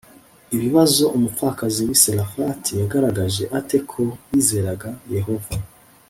Ibibazo Umupfakazi w i Sarefati yagaragaje ate ko yizeraga Yehova